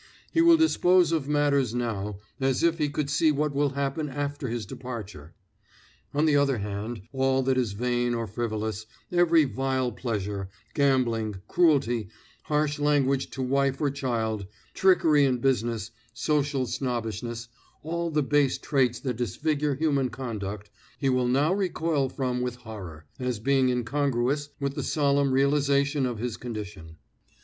He will dispose of matters now, as if he could see what will happen after his departure. On the other hand, all that is vain or frivolous, every vile pleasure, gambling, cruelty, harsh language to wife or child, trickery in business, social snobbishness, all the base traits that disfigure human conduct, he will now recoil from with horror, as being incongruous with the solemn realization of his condition.